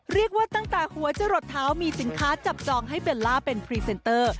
เรียกว่าตั้งแต่หัวจะหลดเท้ามีสินค้าจับจองให้เบลล่าเป็นพรีเซนเตอร์